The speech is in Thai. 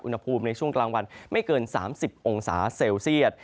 อุณหภูมิในช่วงกลางวันไม่เกิน๓๐องศาเซลเซียต